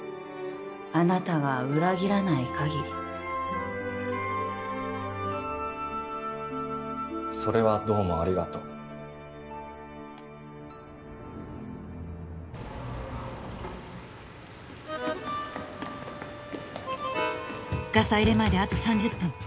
あなたが裏切らないかぎりそれはどうもありがとうガサ入れまであと３０分